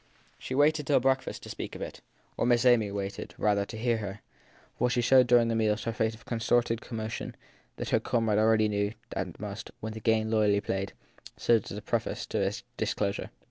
She waited till after breakfast to speak of it or Miss Amy, rather, waited to hear her; for she showed during the meal the face of controlled commotion that her comrade already knew and that must, with the game loyally played, serve as preface to a disclosure.